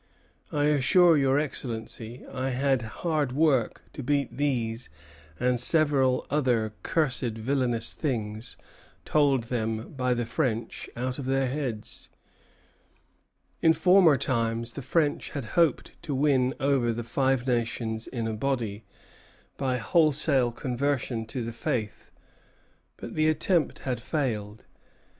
I assure your Excellency I had hard work to beat these and several other cursed villanous things, told them by the French, out of their heads." Johnson to Clinton, 28 April, 1749. In former times the French had hoped to win over the Five Nations in a body, by wholesale conversion to the Faith; but the attempt had failed.